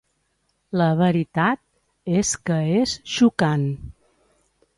La veritat és que és xocant.